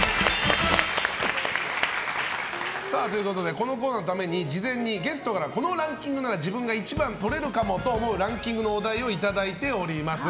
このコーナーのために事前にゲストからこのランキングなら一番をとれるかもというランキングのお題をいただいております。